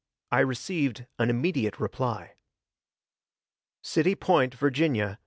I received an immediate reply: CITY POINT, VA.